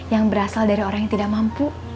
yang berasal dari orang yang tidak mampu